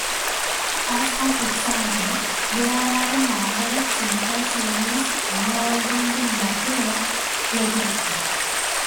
As an example, there are a number of simple series involving the natural logarithm.